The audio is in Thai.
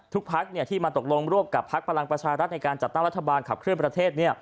พักที่มาตกลงร่วมกับพักพลังประชารัฐในการจัดตั้งรัฐบาลขับเคลื่อนประเทศ